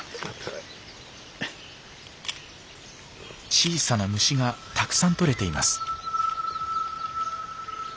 小さな虫がたくさんとれています。